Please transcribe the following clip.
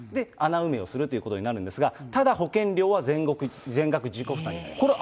穴埋めをするということになるんですが、ただ保険料は全額自己負担になります。